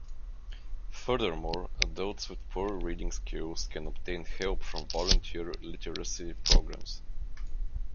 Furthermore, adults with poor reading skills can obtain help from volunteer literacy programs.